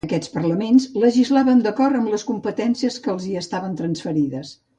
Aquests parlaments legislaven d'acord amb les competències que els hi estaven transferides.